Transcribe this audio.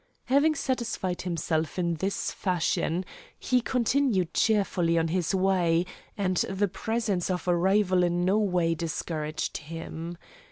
Having satisfied himself in this fashion, he continued cheerfully on his way, and the presence of a rival in no way discouraged him.